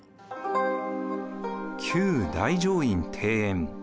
旧大乗院庭園。